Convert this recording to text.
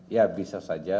ya bisa saja